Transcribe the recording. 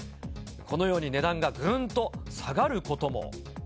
このように値段がぐんと下がることも。